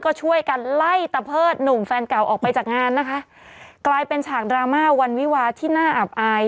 ก็ช่วยกันไล่ตะเพิดหนุ่มแฟนเก่าออกไปจากงานนะคะกลายเป็นฉากดราม่าวันวิวาที่น่าอับอาย